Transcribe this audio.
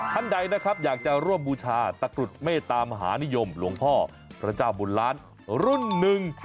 ท่านใดนะครับอยากจะร่วมบูชาตะกรุดเมตตามหานิยมหลวงพ่อพระเจ้าบุญล้านรุ่นหนึ่ง